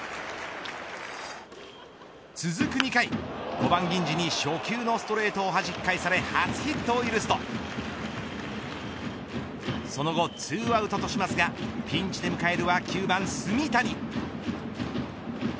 続く２回５番銀次に初球のストレートをはじき返され初ヒットを許すとその後２アウトとしますがピンチで迎えるは９番炭谷。